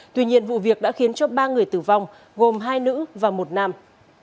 tuy nhiên vụ việc đã khiến cho ba người tử vong gồm hai nữ và một nam